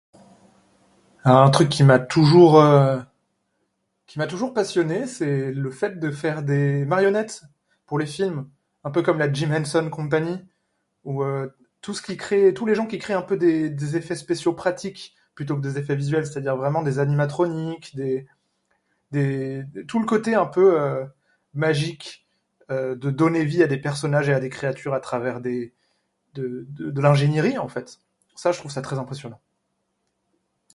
"Alors un truc qui m'a toujours... qui m'a toujours passionné, c'est le fait de faire des marionnettes pour les films. Un peu comme la Jim Henson company, ou tous les gens qui créent un peu des effets spéciaux pratiques plutôt que des effets visuels. C'est-à-dire vraiment des animatroniques, des, des... tout le côté un peu ""magique"" de donner vie à des personnages et à des créatures à travers de l'ingénierie en fait, ça je trouve ça très impressionnant."